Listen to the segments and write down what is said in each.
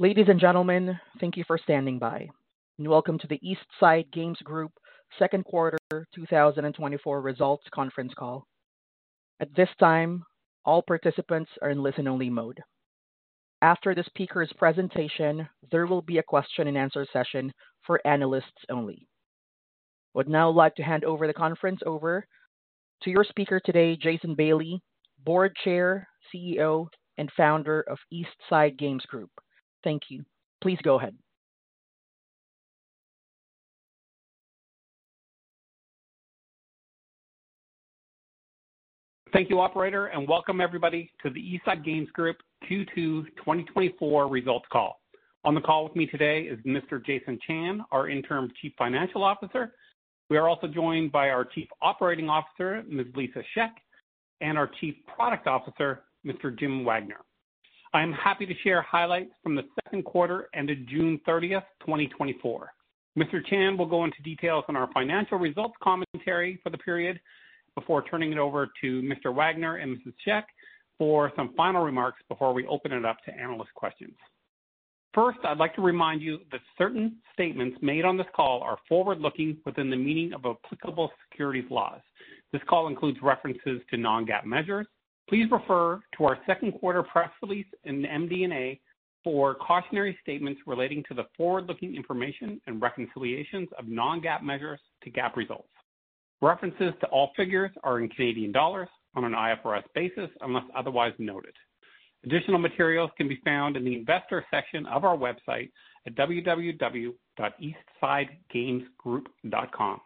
Ladies and gentlemen, thank you for standing by, and welcome to the East Side Games Group second quarter 2024 results conference call. At this time, all participants are in listen-only mode. After the speaker's presentation, there will be a question and answer session for analysts only. I would now like to hand the conference over to your speaker today, Jason Bailey, Board Chair, CEO, and Founder of East Side Games Group. Thank you. Please go ahead. Thank you, operator, and welcome everybody to the East Side Games Group Q2 2024 results call. On the call with me today is Mr. Jason Chan, our interim Chief Financial Officer. We are also joined by our Chief Operating Officer, Ms. Lisa Shek, and our Chief Product Officer, Mr. Jim Wagner. I am happy to share highlights from the second quarter ended June thirtieth, 2024. Mr. Chan will go into details on our financial results commentary for the period before turning it over to Mr. Wagner and Mrs. Shek for some final remarks before we open it up to analyst questions. First, I'd like to remind you that certain statements made on this call are forward-looking within the meaning of applicable securities laws. This call includes references to non-GAAP measures. Please refer to our second quarter press release in the MD&A for cautionary statements relating to the forward-looking information and reconciliations of non-GAAP measures to GAAP results. References to all figures are in Canadian dollars on an IFRS basis, unless otherwise noted. Additional materials can be found in the investor section of our website at www.eastsidegamesgroup.com,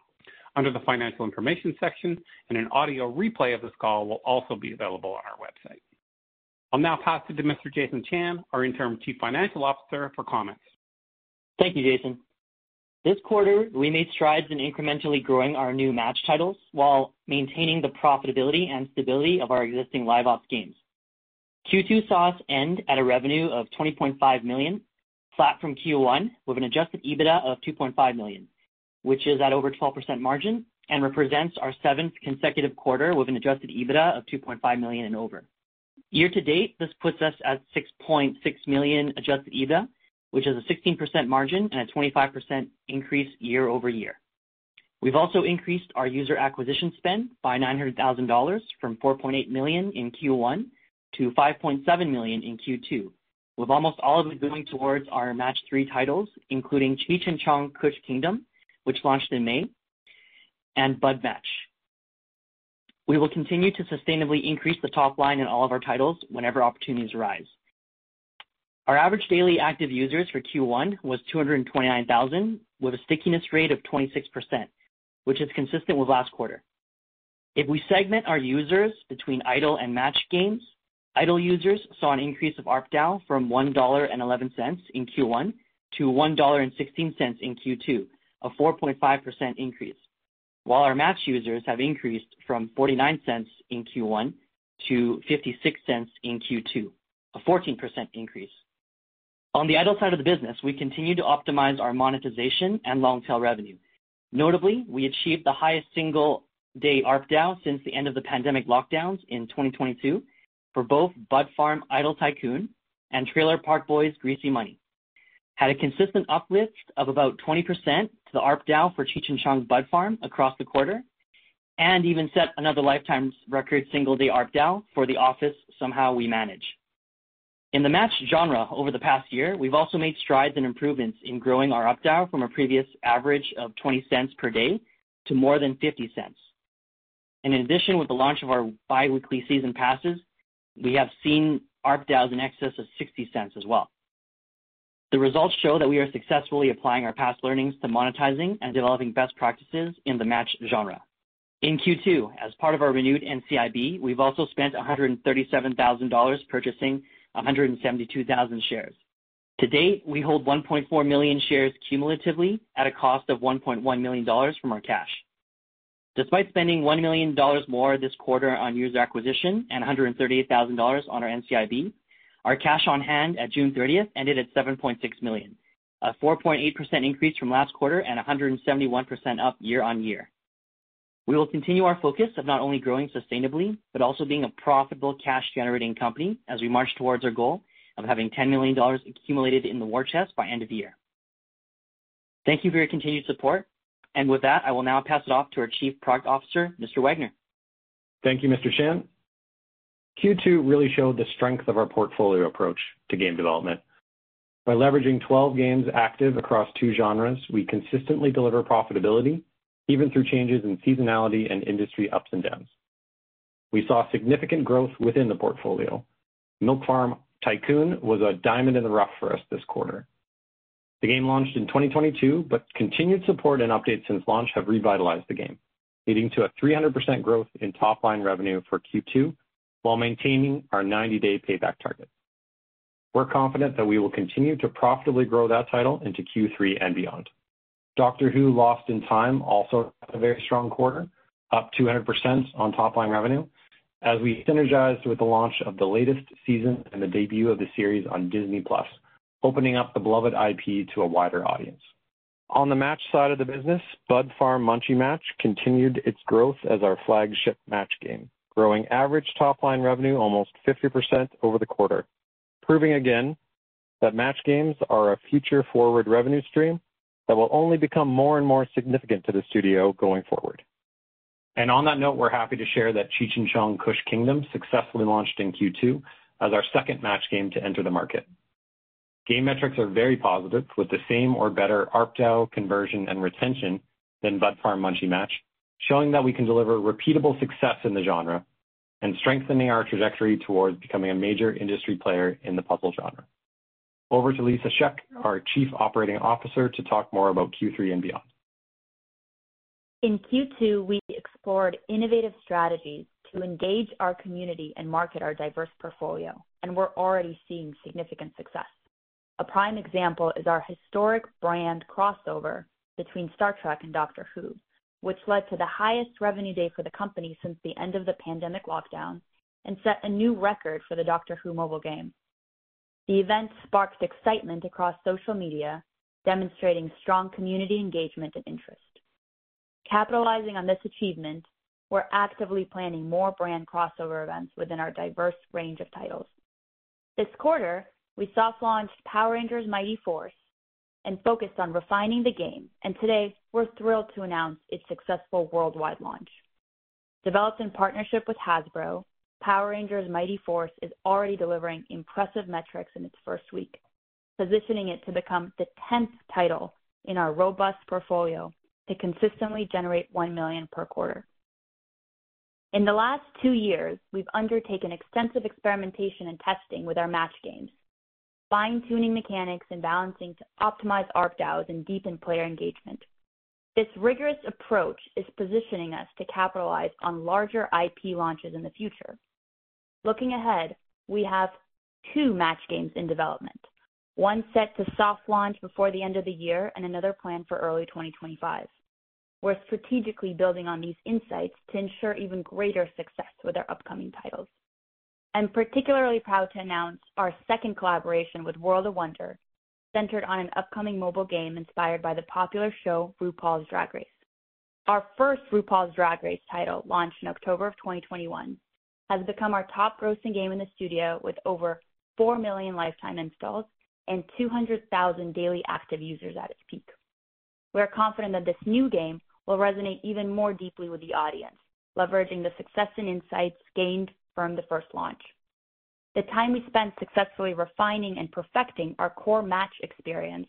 under the Financial Information section, and an audio replay of this call will also be available on our website. I'll now pass it to Mr. Jason Chan, our Interim Chief Financial Officer, for comments. Thank you, Jason. This quarter, we made strides in incrementally growing our new Match titles while maintaining the profitability and stability of our existing Live Ops games. Q2 saw us end at a revenue of 20.5 million, flat from Q1, with an adjusted EBITDA of 2.5 million, which is at over 12% margin and represents our seventh consecutive quarter with an adjusted EBITDA of 2.5 million and over. Year to date, this puts us at 6.6 million adjusted EBITDA, which is a 16% margin and a 25% increase year-over-year. We've also increased our user acquisition spend by 900,000 dollars, from 4.8 million in Q1 to 5.7 million in Q2, with almost all of it going towards our Match-3 titles, including Cheech & Chong's: Kush Kingdom, which launched in May, and Bud Match. We will continue to sustainably increase the top line in all of our titles whenever opportunities arise. Our average daily active users for Q1 was 229,000, with a stickiness rate of 26%, which is consistent with last quarter. If we segment our users between Idle and Match games, Idle users saw an increase of ARPDAU from 1.11 dollar in Q1 to 1.16 dollar in Q2, a 4.5% increase, while our Match users have increased from 0.49 in Q1 to 0.56 in Q2, a 14% increase. On the idle side of the business, we continue to optimize our monetization and long-tail revenue. Notably, we achieved the highest single-day ARPDAU since the end of the pandemic lockdowns in 2022 for both Bud Farm: Idle Tycoon and Trailer Park Boys: Greasy Money, had a consistent uplift of about 20% to the ARPDAU for Cheech & Chong's Bud Farm across the quarter, and even set another lifetime's record single-day ARPDAU for The Office: Somehow We Manage. In the Match genre over the past year, we've also made strides and improvements in growing our ARPDAU from a previous average of 0.20 per day to more than 0.50. In addition, with the launch of our biweekly season passes, we have seen ARPDAU in excess of 0.60 as well. The results show that we are successfully applying our past learnings to monetizing and developing best practices in the Match genre. In Q2, as part of our renewed NCIB, we've also spent 137,000 dollars purchasing 172,000 shares. To date, we hold 1.4 million shares cumulatively at a cost of 1.1 million dollars from our cash. Despite spending 1 million dollars more this quarter on user acquisition and 138,000 dollars on our NCIB, our cash on hand at June thirtieth ended at 7.6 million, a 4.8% increase from last quarter and 171% up year-over-year. We will continue our focus of not only growing sustainably, but also being a profitable cash-generating company as we march towards our goal of having 10 million dollars accumulated in the war chest by end of year. Thank you for your continued support. With that, I will now pass it off to our Chief Product Officer, Mr. Wagner. Thank you, Mr. Chan. Q2 really showed the strength of our portfolio approach to game development. By leveraging 12 games active across two genres, we consistently deliver profitability, even through changes in seasonality and industry ups and downs. We saw significant growth within the portfolio. Milk Farm Tycoon was a diamond in the rough for us this quarter. The game launched in 2022, but continued support and updates since launch have revitalized the game, leading to a 300% growth in top-line revenue for Q2, while maintaining our 90-day payback target. We're confident that we will continue to profitably grow that title into Q3 and beyond. Doctor Who: Lost in Time also had a very strong quarter, up 200% on top-line revenue, as we synergized with the launch of the latest season and the debut of the series on Disney+, opening up the beloved IP to a wider audience. On the match side of the business, Bud Farm: Munchie Match continued its growth as our flagship match game, growing average top-line revenue almost 50% over the quarter, proving again that match games are a future forward revenue stream that will only become more and more significant to the studio going forward. And on that note, we're happy to share that Cheech & Chong's: Kush Kingdom successfully launched in Q2 as our second match game to enter the market. Game metrics are very positive, with the same or better ARPDAU conversion and retention than Bud Farm: Munchie Match, showing that we can deliver repeatable success in the genre, and strengthening our trajectory towards becoming a major industry player in the puzzle genre. Over to Lisa Shek, our Chief Operating Officer, to talk more about Q3 and beyond. In Q2, we explored innovative strategies to engage our community and market our diverse portfolio, and we're already seeing significant success. A prime example is our historic brand crossover between Star Trek and Doctor Who, which led to the highest revenue day for the company since the end of the pandemic lockdown and set a new record for the Doctor Who mobile game. The event sparked excitement across social media, demonstrating strong community engagement and interest. Capitalizing on this achievement, we're actively planning more brand crossover events within our diverse range of titles. This quarter, we soft launched Power Rangers: Mighty Force and focused on refining the game, and today we're thrilled to announce its successful worldwide launch. Developed in partnership with Hasbro, Power Rangers: Mighty Force is already delivering impressive metrics in its first week, positioning it to become the tenth title in our robust portfolio to consistently generate 1 million per quarter. In the last two years, we've undertaken extensive experimentation and testing with our match games, fine-tuning mechanics and balancing to optimize ARPDAUs and deepen player engagement. This rigorous approach is positioning us to capitalize on larger IP launches in the future. Looking ahead, we have two match games in development, one set to soft launch before the end of the year and another planned for early 2025. We're strategically building on these insights to ensure even greater success with our upcoming titles. I'm particularly proud to announce our second collaboration with World of Wonder, centered on an upcoming mobile game inspired by the popular show RuPaul's Drag Race. Our first RuPaul's Drag Race title, launched in October 2021, has become our top grossing game in the studio, with over 4 million lifetime installs and 200,000 daily active users at its peak. We are confident that this new game will resonate even more deeply with the audience, leveraging the success and insights gained from the first launch. The time we spent successfully refining and perfecting our core match experience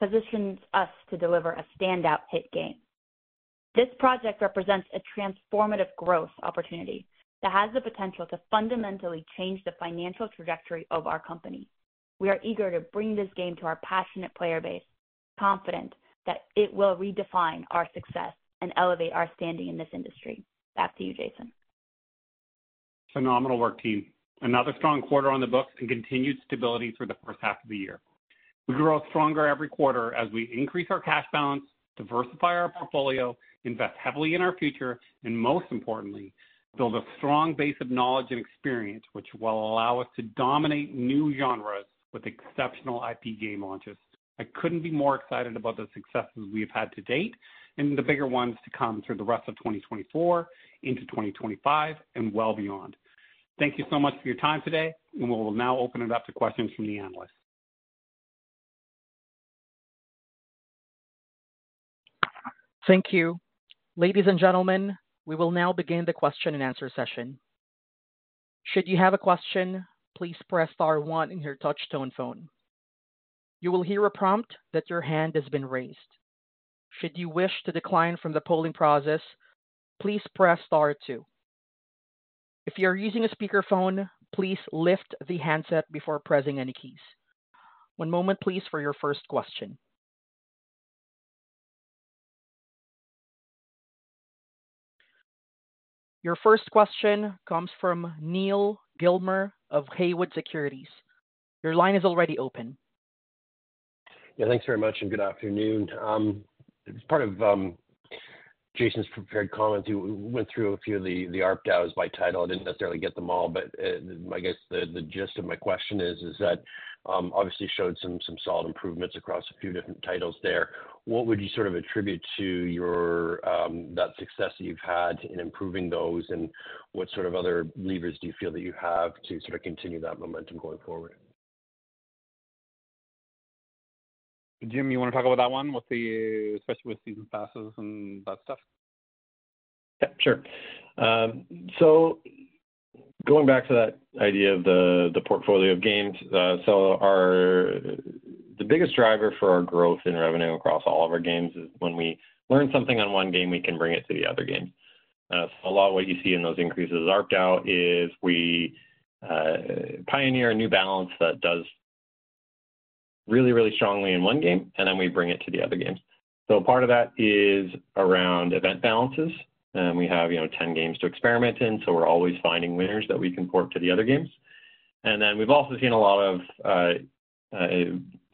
positions us to deliver a standout hit game. This project represents a transformative growth opportunity that has the potential to fundamentally change the financial trajectory of our company. We are eager to bring this game to our passionate player base, confident that it will redefine our success and elevate our standing in this industry. Back to you, Jason. Phenomenal work, team. Another strong quarter on the books and continued stability through the first half of the year. We grow stronger every quarter as we increase our cash balance, diversify our portfolio, invest heavily in our future, and most importantly, build a strong base of knowledge and experience, which will allow us to dominate new genres with exceptional IP game launches. I couldn't be more excited about the successes we've had to date and the bigger ones to come through the rest of 2024 into 2025 and well beyond. Thank you so much for your time today, and we will now open it up to questions from the analysts. Thank you. Ladies and gentlemen, we will now begin the question and answer session. Should you have a question, please press star one on your touchtone phone. You will hear a prompt that your hand has been raised. Should you wish to decline from the polling process, please press star two. If you are using a speakerphone, please lift the handset before pressing any keys. One moment, please, for your first question. Your first question comes from Neal Gilmer of Haywood Securities. Your line is already open. Yeah, thanks very much and good afternoon. As part of Jason's prepared comments, he went through a few of the ARPDAUs by title. I didn't necessarily get them all, but I guess the gist of my question is that obviously showed some solid improvements across a few different titles there. What would you sort of attribute to your that success that you've had in improving those, and what sort of other levers do you feel that you have to sort of continue that momentum going forward? Jim, you want to talk about that one, with the especially with season passes and that stuff? Yeah, sure. So going back to that idea of the portfolio of games. So our the biggest driver for our growth in revenue across all of our games is when we learn something on one game, we can bring it to the other game. So a lot of what you see in those increases, ARPDAU, is we pioneer a new balance that does really, really strongly in one game, and then we bring it to the other games. So part of that is around event balances, and we have, you know, 10 games to experiment in, so we're always finding winners that we can port to the other games. And then we've also seen a lot of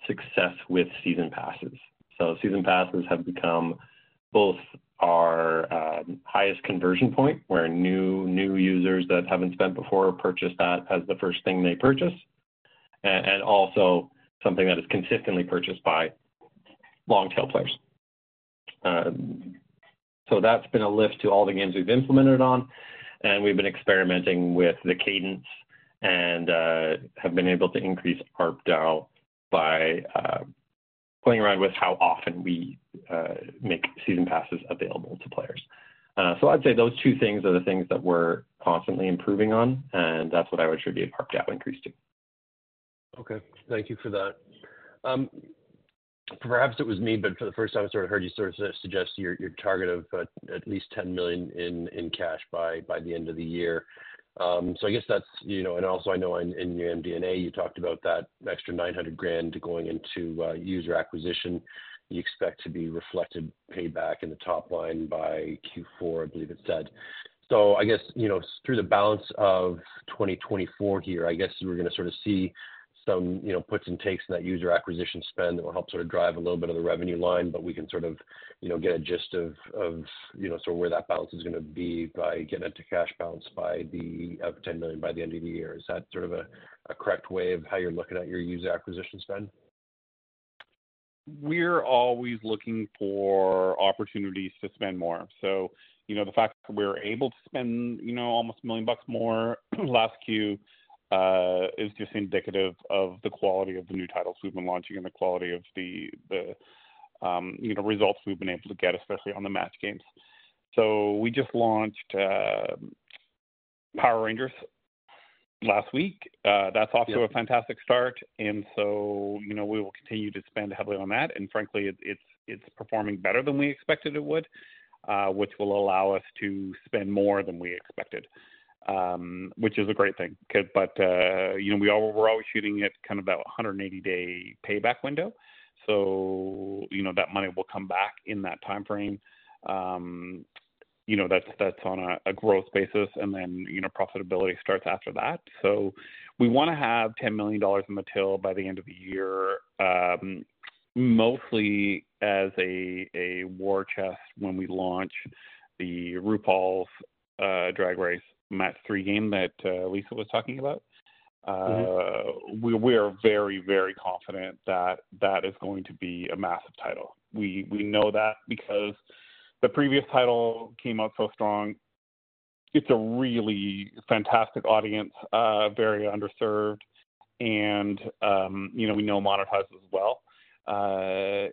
success with season passes. So season passes have become both our highest conversion point, where new users that haven't spent before purchase that as the first thing they purchase.... And also something that is consistently purchased by long tail players. So that's been a lift to all the games we've implemented it on, and we've been experimenting with the cadence and have been able to increase ARPDAU by playing around with how often we make season passes available to players. So I'd say those two things are the things that we're constantly improving on, and that's what I would attribute ARPDAU increase to. Okay, thank you for that. Perhaps it was me, but for the first time, I sort of heard you sort of suggest your target of at least 10 million in cash by the end of the year. So I guess that's, you know, and also, I know in your MD&A, you talked about that extra 900,000 going into user acquisition. You expect to be reflected paid back in the top line by Q4, I believe it said. So I guess, you know, through the balance of 2024 here, I guess we're gonna sort of see some, you know, puts and takes in that user acquisition spend that will help sort of drive a little bit of the revenue line, but we can sort of, you know, get a gist of, you know, sort of where that balance is gonna be by getting into cash balance by the 10 million by the end of the year. Is that sort of a correct way of how you're looking at your user acquisition spend? We're always looking for opportunities to spend more. So, you know, the fact that we're able to spend, you know, almost 1 million bucks more last quarter is just indicative of the quality of the new titles we've been launching and the quality of the, you know, results we've been able to get, especially on the Match games. So we just launched Power Rangers last week. That's off to- Yeah... a fantastic start, and so, you know, we will continue to spend heavily on that. And frankly, it's performing better than we expected it would, which will allow us to spend more than we expected, which is a great thing. But, you know, we're always shooting at kind of that 180-day payback window. So, you know, that money will come back in that timeframe. You know, that's on a growth basis, and then, you know, profitability starts after that. So we wanna have 10 million dollars in the till by the end of the year, mostly as a war chest when we launch the RuPaul's Drag Race match-3 game that Lisa was talking about. Mm-hmm. We are very, very confident that that is going to be a massive title. We know that because the previous title came out so strong. It's a really fantastic audience, very underserved and, you know, we know monetizes well.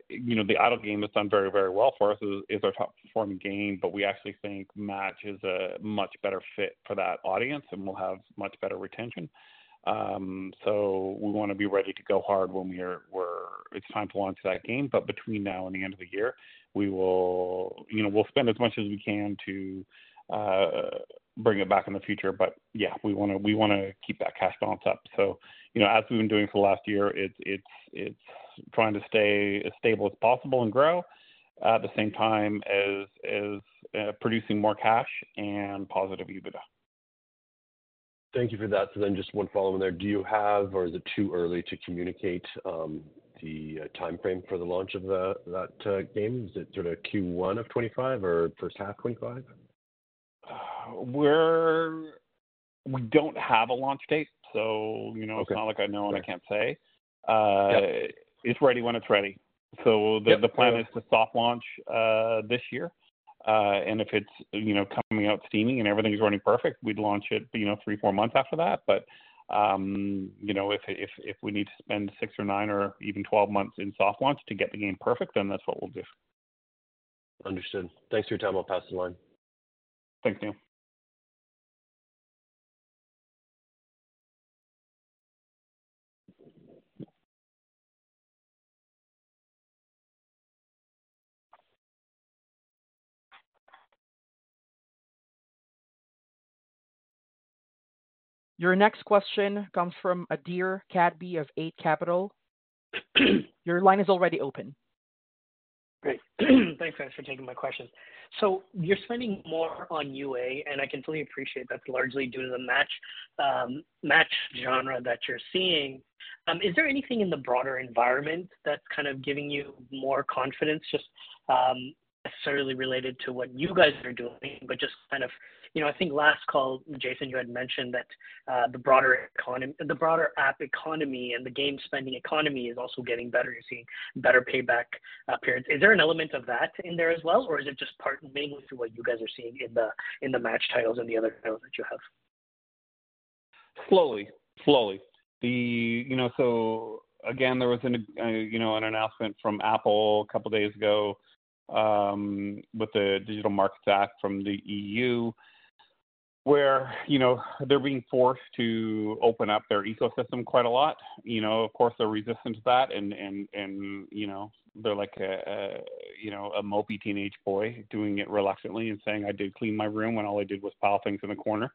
You know, the idle game has done very, very well for us. It's our top performing game, but we actually think Match is a much better fit for that audience and will have much better retention. So we wanna be ready to go hard when it's time to launch that game, but between now and the end of the year, we will. You know, we'll spend as much as we can to bring it back in the future. But yeah, we wanna, we wanna keep that cash balance up. So, you know, as we've been doing for the last year, it's trying to stay as stable as possible and grow, at the same time as producing more cash and positive EBITDA. Thank you for that. So then just one follow-on there. Do you have, or is it too early to communicate, the timeframe for the launch of that game? Is it sort of Q1 of 2025 or first half 2025? We don't have a launch date, so you know- Okay. It's not like I know, and I can't say. Yeah. It's ready when it's ready. Yeah. So the plan is to soft launch this year. And if it's, you know, coming out steaming and everything is running perfect, we'd launch it, you know, 3, 4 months after that. But, you know, if we need to spend 6 or 9 or even 12 months in soft launch to get the game perfect, then that's what we'll do. Understood. Thanks for your time. I'll pass the line. Thank you. Your next question comes from Adhir Kadve of Eight Capital. Your line is already open. Great. Thanks, guys, for taking my questions. So you're spending more on UA, and I completely appreciate that's largely due to the Match genre that you're seeing. Is there anything in the broader environment that's kind of giving you more confidence, just necessarily related to what you guys are doing, but just kind of... You know, I think last call, Jason, you had mentioned that the broader app economy and the game spending economy is also getting better. You're seeing better payback periods. Is there an element of that in there as well, or is it just part mainly to what you guys are seeing in the Match titles and the other titles that you have? Slowly, slowly. You know, so again, there was an announcement from Apple a couple of days ago with the Digital Markets Act from the EU, where, you know, they're being forced to open up their ecosystem quite a lot. You know, of course, they're resistant to that, and, you know, they're like a mopey teenage boy doing it reluctantly and saying, "I did clean my room," when all I did was pile things in the corner.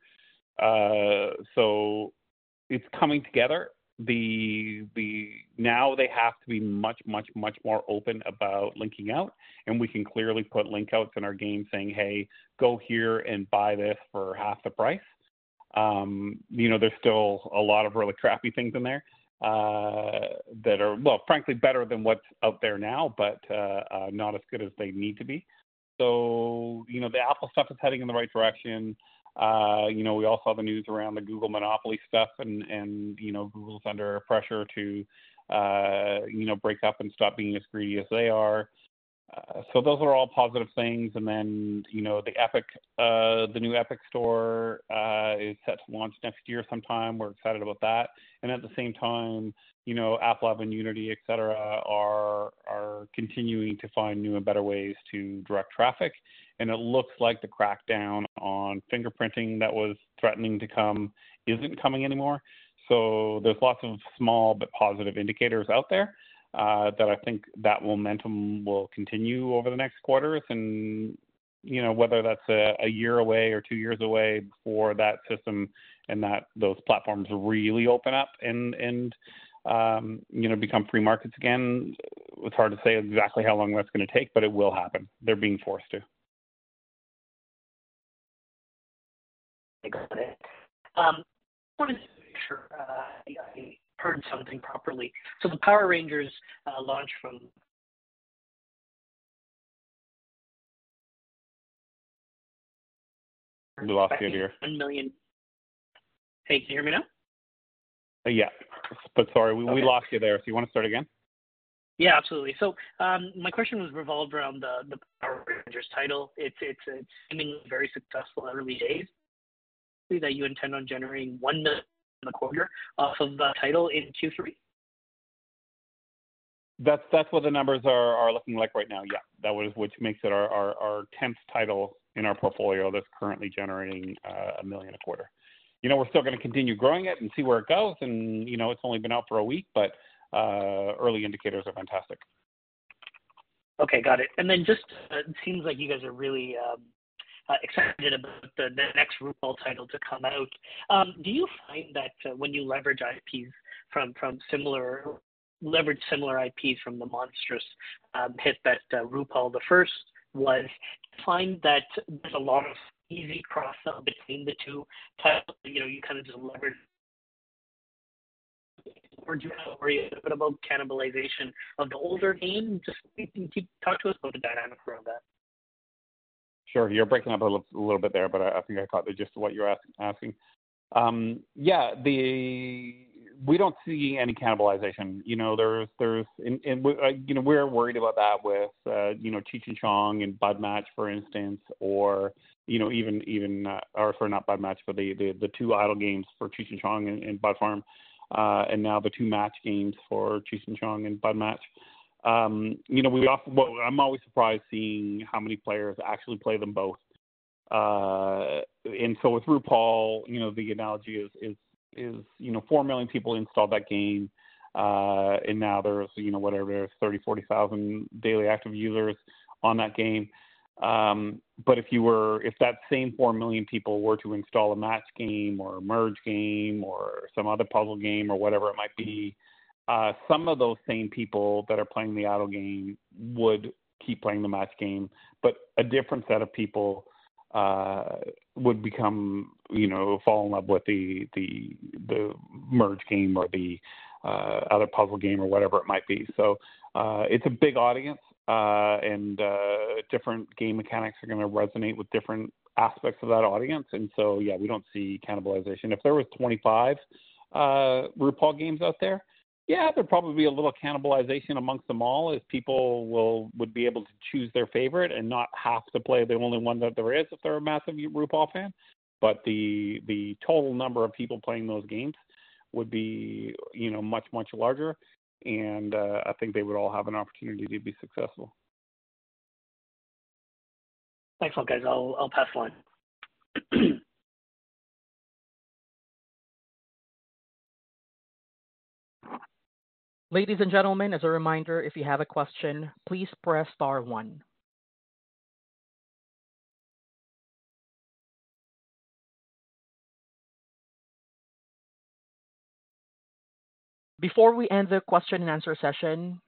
So it's coming together. Now they have to be much, much, much more open about linking out, and we can clearly put link outs in our game saying, "Hey, go here and buy this for half the price." You know, there's still a lot of really crappy things in there. that are, well, frankly, better than what's out there now, but, not as good as they need to be. So, you know, the Apple stuff is heading in the right direction. You know, we all saw the news around the Google monopoly stuff and, you know, Google is under pressure to, you know, break up and stop being as greedy as they are. So those are all positive things. And then, you know, the Epic, the new Epic store, is set to launch next year sometime. We're excited about that. And at the same time, you know, Apple App Store and Unity, et cetera, are continuing to find new and better ways to direct traffic. And it looks like the crackdown on fingerprinting that was threatening to come isn't coming anymore. So there's lots of small but positive indicators out there that I think that momentum will continue over the next quarters. And, you know, whether that's a year away or two years away before that system and that those platforms really open up and, you know, become free markets again, it's hard to say exactly how long that's going to take, but it will happen. They're being forced to. Hey, got it. I wanted to make sure I heard something properly. So the Power Rangers launched from- We lost you here. 1 million. Hey, can you hear me now? Yeah, but sorry, we lost you there. So you want to start again? Yeah, absolutely. So, my question was revolved around the Power Rangers title. It's seeming very successful early days that you intend on generating 1 million in a quarter off of the title in Q3. That's what the numbers are looking like right now, yeah. That, which makes it our tenth title in our portfolio that's currently generating 1 million a quarter. You know, we're still going to continue growing it and see where it goes. You know, it's only been out for a week, but early indicators are fantastic. Okay, got it. And then just, it seems like you guys are really excited about the next RuPaul title to come out. Do you find that when you leverage IPs from similar or leverage similar IPs from the monstrous hit that RuPaul the first was, find that there's a lot of easy cross between the two titles? You know, you kind of just leverage... Or do you have a bit about cannibalization of the older game? Just keep, talk to us about the dynamic around that. Sure. You're breaking up a little bit there, but I think I caught just what you're asking. Yeah, we don't see any cannibalization. You know, we're worried about that with, you know, Cheech and Chong and Bud Match, for instance, or, you know, even, or sorry, not Bud Match, but the two idle games for Cheech and Chong and Bud Farm, and now the two match games for Cheech and Chong and Bud Match. You know, we often, well, I'm always surprised seeing how many players actually play them both. And so with RuPaul, you know, the analogy is, you know, 4 million people installed that game, and now there's, you know, whatever, 30,000-40,000 daily active users on that game. But if that same 4 million people were to install a match game or a merge game or some other puzzle game or whatever it might be, some of those same people that are playing the idle game would keep playing the match game, but a different set of people would become, you know, fall in love with the merge game or the other puzzle game or whatever it might be. So, it's a big audience, and different game mechanics are going to resonate with different aspects of that audience. And so, yeah, we don't see cannibalization. If there were 25 RuPaul games out there, yeah, there'd probably be a little cannibalization amongst them all as people will, would be able to choose their favorite and not have to play the only one that there is, if they're a massive RuPaul fan. But the total number of people playing those games would be, you know, much, much larger, and I think they would all have an opportunity to be successful. Thanks a lot, guys. I'll pass the line. Ladies and gentlemen, as a reminder, if you have a question, please press star one. Before we end the question and answer session,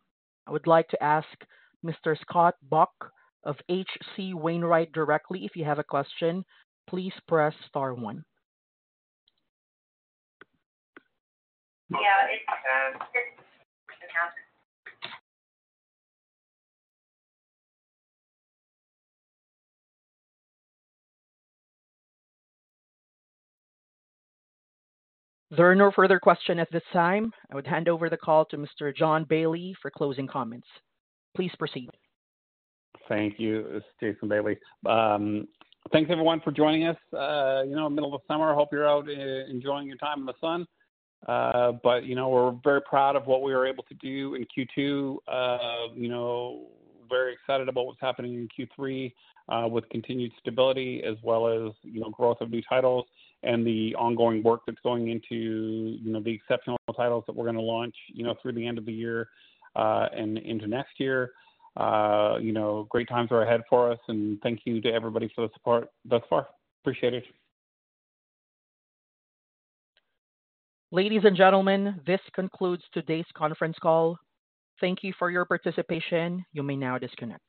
I would like to ask Mr. Scott Buck of H.C. Wainwright directly, if you have a question, please press star one. Yeah, it's... There are no further questions at this time. I would hand over the call to Mr. Jason Bailey for closing comments. Please proceed. Thank you. It's Jason Bailey. Thanks, everyone, for joining us. You know, middle of summer, I hope you're out enjoying your time in the sun. But, you know, we're very proud of what we were able to do in Q2. You know, very excited about what's happening in Q3, with continued stability as well as, you know, growth of new titles and the ongoing work that's going into, you know, the exceptional titles that we're going to launch, you know, through the end of the year, and into next year. You know, great times are ahead for us, and thank you to everybody for the support thus far. Appreciate it. Ladies and gentlemen, this concludes today's conference call. Thank you for your participation. You may now disconnect.